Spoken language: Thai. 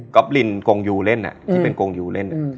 ก๊อบลินกงยูเล่นอ่ะอืมที่เป็นกงยูเล่นอืม